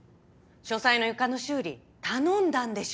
書斎の床の修理頼んだんでしょ？